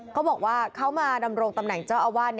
เขาบอกว่าเขามาดำรงตำแหน่งเจ้าอาวาส